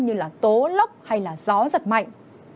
như tố lốc hay gió giật mạnh